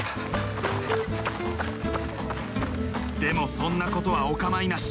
でもそんなことはお構いなし。